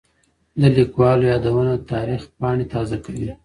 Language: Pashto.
د لیکوالو یادونه د تاریخ پاڼې تازه کوي.